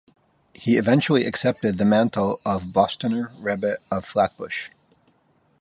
He eventually accepted the mantle of Bostoner Rebbe of Flatbush.